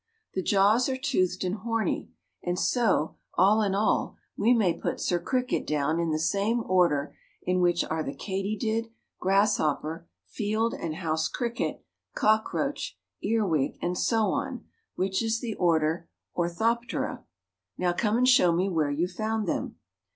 The jaws are toothed and horny, and so, all in all, we may put Sir Cricket down in the same order in which are the katydid, grasshopper, field and house cricket, cockroach, earwig and so on, which is the order Orthoptera. Now come and show me where you found them."